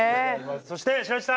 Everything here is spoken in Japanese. そして白石さん！